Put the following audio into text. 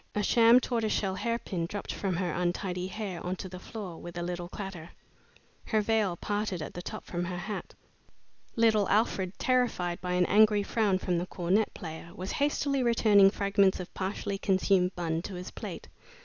A sham tortoise shell hairpin dropped from her untidy hair on to the floor with a little clatter. Her veil parted at the top from her hat. Little Alfred, terrified by an angry frown from the cornet player, was hastily returning fragments of partially consumed bun to his plate.